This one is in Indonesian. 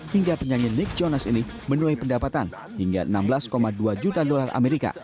hingga penyanyi nick jonas ini menuai pendapatan hingga enam belas dua juta dolar amerika